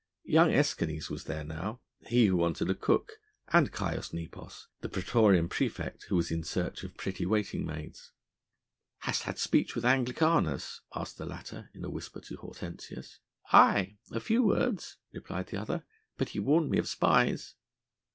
Young Escanes was now there, he who wanted a cook, and Caius Nepos the praetorian praefect who was in search of pretty waiting maids. "Hast had speech with Anglicanus?" asked the latter in a whisper to Hortensius. "Aye! a few words," replied the other, "but he warned me of spies."